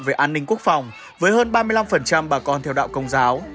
về an ninh quốc phòng với hơn ba mươi năm bà con theo đạo công giáo